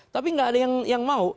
tapi nggak ada yang mau